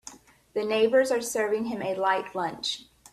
The neighbors are serving him a light lunch.